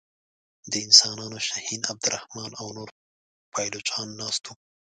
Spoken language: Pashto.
د انسانانو شهین عبدالرحمن او نور پایلوچان ناست وه.